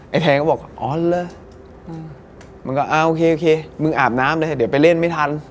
แพงก็บอกอ๋อเหรอมันก็โอเคมึงอาบน้ำเลยเดี๋ยวไปเล่นไม่ทัน